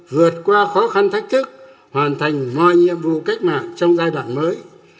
vượt qua khó khăn thách thức hoàn thành mọi nhiệm vụ cách mạng trong giai đoạn mới